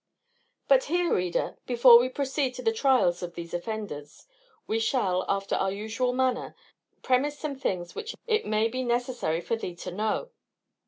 But here, reader, before we proceed to the trials of these offenders, we shall, after our usual manner, premise some things which it may be necessary for thee to know.